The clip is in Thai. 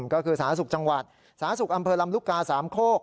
ก็คือสหสุขจังหวัดสหสุขอำเภอลำลุกกา๓โคก